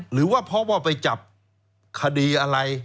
หรือว่าพ่อพ่อไปจับคดีอะไร